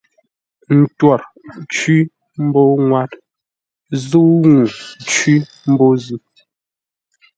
Ə ntwor cwí mbô ŋwár zə̂u ŋuu cwí mbô zʉ́.